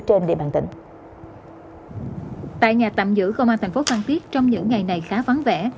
tại nhà tạm giữ công an thành phố phan tiết trong những ngày này khá vắng vẻ